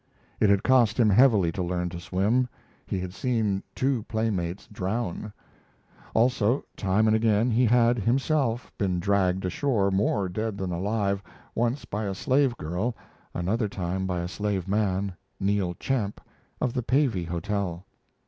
It had cost him heavily to learn to swim. He had seen two playmates drown; also, time and again he had, himself, been dragged ashore more dead than alive, once by a slave girl, another time by a slaveman Neal Champ, of the Pavey Hotel.